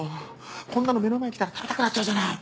こんなの目の前来たら食べたくなっちゃうじゃない！